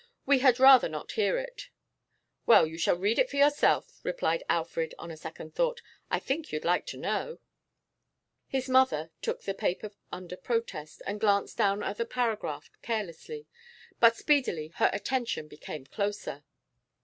'We had rather not hear it.' 'Well, you shall read it for yourself,' replied Alfred on a second thought. 'I think you'd like to know.' His mother took the paper under protest, and glanced down at the paragraph carelessly. But speedily her attention became closer.